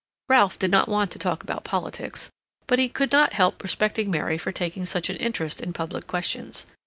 Ralph did not want to talk about politics, but he could not help respecting Mary for taking such an interest in public questions.